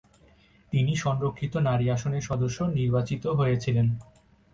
তিনি সংরক্ষিত নারী আসনের সদস্য নির্বাচিত হয়েছিলেন।